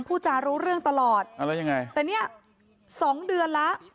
พูดจารู้เรื่องตลอดอ่าแล้วยังไงแต่เนี่ยสองเดือนแล้ว